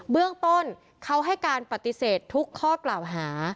เบื้องต้นเขาให้การปฏิเสธทุกข้อกล่าวหา